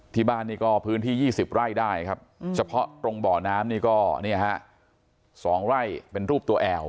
ที่บ้านนี่ก็พื้นที่๒๐ไร่ได้ครับเฉพาะตรงบ่อน้ำนี่ก็๒ไร่เป็นรูปตัวแอล